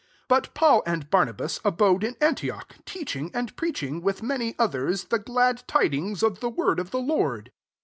'] 35 But Paul and Barnabas abode in Antioch, teaching and preaching, with many others, the glad tidings of the word of the Lord.